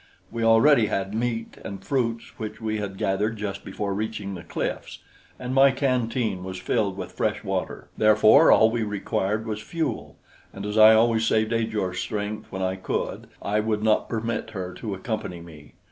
We already had meat and fruits which we had gathered just before reaching the cliffs, and my canteen was filled with fresh water. Therefore, all we required was fuel, and as I always saved Ajor's strength when I could, I would not permit her to accompany me.